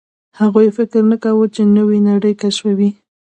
هغوی فکر نه کاوه، چې نوې نړۍ کشفوي.